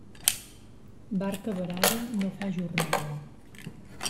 Barca varada no fa jornada.